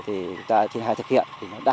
thì ta thường hay thực hiện